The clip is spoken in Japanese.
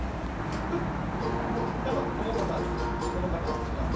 じゃまずこのかたちこのかたちから。